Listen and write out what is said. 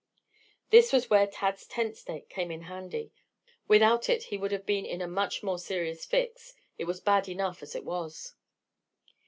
This was where Tad's tent stake came in handy. Without it he would have been in a much more serious fix. It was bad enough as it was.